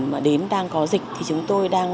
đối với những điểm đến đang có dịch thì chúng tôi đang